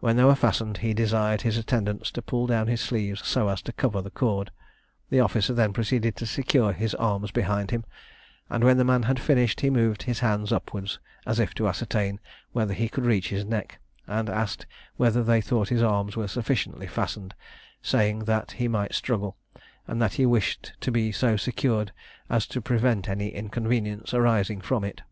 When they were fastened, he desired his attendants to pull down his sleeves so as to cover the cord. The officer then proceeded to secure his arms behind him; and when the man had finished, he moved his hands upwards, as if to ascertain whether he could reach his neck, and asked whether they thought his arms were sufficiently fastened; saying, that he might struggle, and that he wished to be so secured as to prevent any inconvenience arising from it.